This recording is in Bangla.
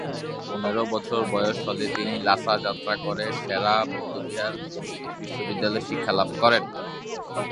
পনেরো বছর বয়স হলে তিনি লাসা যাত্রা করে সে-রা বৌদ্ধবিহার বিশ্ববিদ্যালয়ে শিক্ষালাভ করেন।